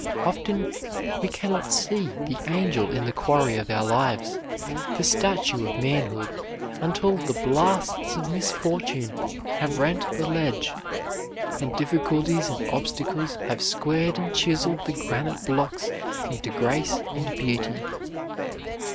Often we can not see the angel in the quarry of our lives, the statue of manhood, until the blasts of misfortune have rent the ledge, and difficulties and obstacles have squared and chiseled the granite blocks into grace and beauty.